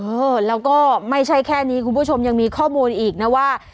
เออแล้วก็ไม่ใช่แค่นี้คุณผู้ชมยังมีข้อมูลอีกนะว่า